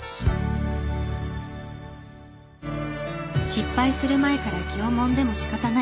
失敗する前から気をもんでも仕方ない。